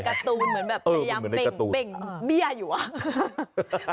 เหมือนการ์ตูนมันแบบพยายามเบ่งเบี้ยอยู่อะ